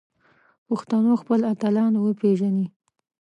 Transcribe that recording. پښتنو خپل اتلان وپیژني